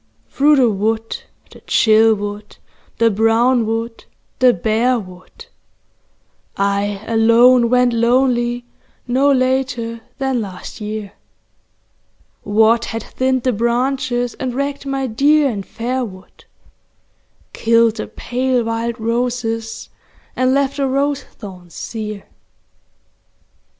Through the wood, the chill wood, the brown wood, the bare wood, I alone went lonely no later than last year, What had thinned the branches, and wrecked my dear and fair wood, Killed the pale wild roses and left the rose thorns sere